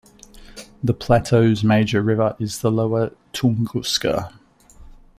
The plateau's major river is the Lower Tunguska.